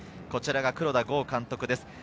こちらが黒田剛監督です。